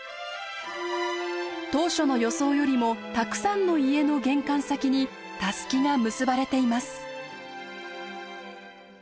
当初の予想よりもたくさんの家の玄関先にタスキが結ばれています。